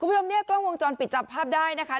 คุณผู้ชมเนี่ยกล้องวงจรปิดจับภาพได้นะคะ